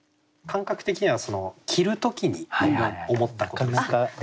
感覚的には着る時に思ったことですね。